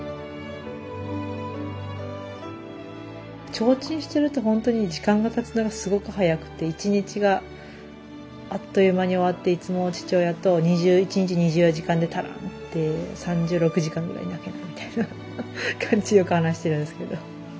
提灯してるとほんとに時間がたつのがすごく早くて１日があっという間に終わっていつも父親と１日２４時間じゃ足らんって３６時間ぐらいなきゃなみたいな感じでよく話してるんですけど。